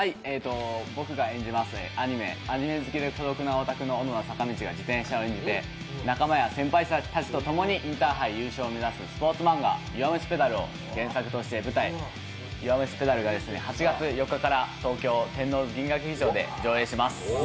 僕が演じますアニメ好きで孤独なオタク少年小野田坂道が自転車を通じて仲間や先輩たちと共にインターハイ優勝を目指すスポーツ漫画「弱虫ペダル」が８月４日から東京・天王洲銀河劇場で上演します。